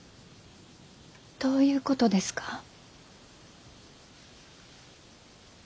どういうことですか？